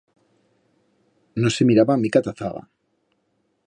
No se miraba mica ta zaga.